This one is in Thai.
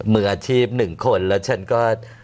มืออาชีพหนึ่งคนแล้วฉันก็